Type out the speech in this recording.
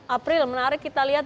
april menarik kita lihat